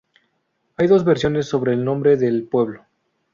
Hay dos versiones sobre el nombre del pueblo.